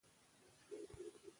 ته يوه نيکي هم سپکه مه ګڼه